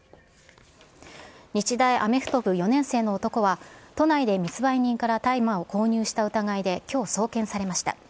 日大アメフト部４年生の男は、都内で密売人から大麻を購入した疑いできょう送検されました。